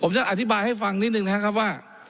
ผมจะอธิบายให้ฟังนิดนึงนะครับว่า